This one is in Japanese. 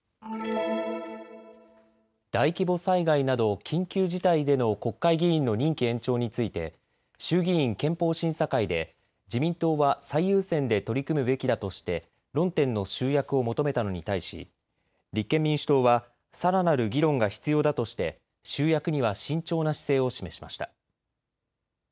大規模災害など緊急事態での国会議員の任期延長について衆議院憲法審査会で自民党は最優先で取り組むべきだとして論点の集約を求めたのに対し立憲民主党はさらなる議論が必要だとして集約には慎重な姿勢を示しました。